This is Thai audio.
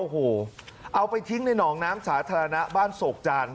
โอ้โหเอาไปทิ้งในหนองน้ำสาธารณะบ้านโศกจาน